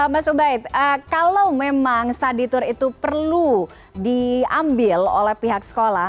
mas ubaid kalau memang study tour itu perlu diambil oleh pihak sekolah